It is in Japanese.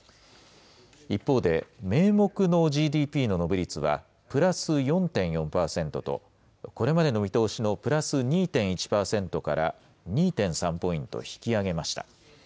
一方で、名目のＧＤＰの伸び率はプラス４．４％と、これまでの見通しのプラス２．１％から２．３ポイント引き上げました。